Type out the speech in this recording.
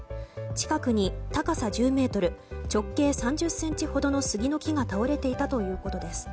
近くに高さ１０ｍ直径３０ｃｍほどの杉の木が倒れていたということです。